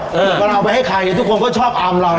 ถ้าเราเอาไปให้ขายทุกคนก็ชอบอามเรา